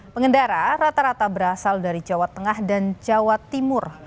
pengendara rata rata berasal dari jawa tengah dan jawa timur